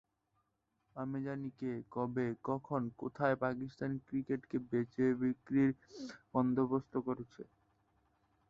আমি জানি কে, কবে, কখন, কোথায় পাকিস্তান ক্রিকেটকে বেচা-বিক্রির বন্দোবস্ত করেছে।